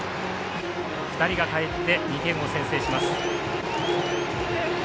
２人がかえって２点を先制します。